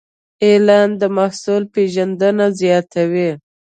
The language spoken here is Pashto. اعلان د محصول پیژندنه زیاتوي.